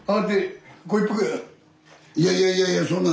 いやいやいやいやそんな。